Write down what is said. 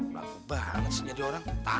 laku banget sih jadi orang